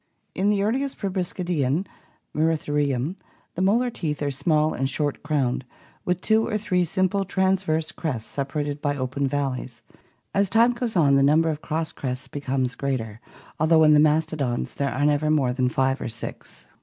In the earliest proboscidean (Mceritherium) the molar teeth are small and short crowned, with two or three simple transverse crests PROBOSCIDEANS 589 separated by open valleys. As time goes on the number of cross crests becomes greater, although in the mastodons there are never more than five or six.